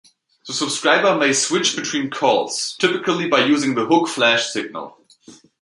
The subscriber may switch between calls, typically by using the hook flash signal.